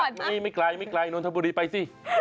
น้นทะบุรีค่ะไม่ไกลน้นทะบุรีไปสิ